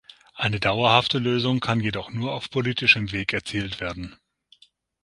Eine dauerhafte Lösung kann jedoch nur auf politischem Weg erzielt werden.